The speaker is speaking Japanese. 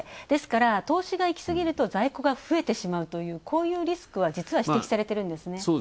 ですから、投資が行き過ぎると在庫が増えてしまうという、こういうリスクは実は指摘されているんですね。